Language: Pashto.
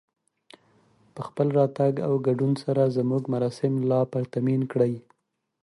په خپل راتګ او ګډون سره زموږ مراسم لا پرتمين کړئ